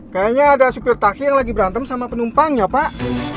kayanya ada sepia taksi yang lagi berantem sama penumpangnya pak